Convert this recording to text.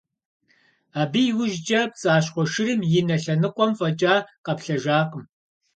Абы и ужькӀэ пцӀащхъуэ шырым и нэ лъэныкъуэм фӀэкӀа къэплъэжакъым.